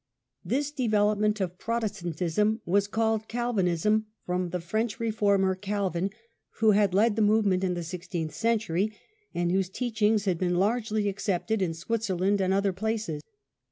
This de velopment of Protestantism was called Calvinism, from the French reformer Calvin, who had led the movement in the sixteenth century, and whose teaching had been largely accepted in Switzerland and other places.